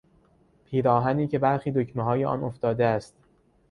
پیراهنی که برخی دکمههای آن افتاده است